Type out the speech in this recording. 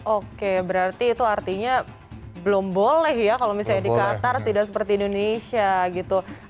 oke berarti itu artinya belum boleh ya kalau misalnya di qatar tidak seperti indonesia gitu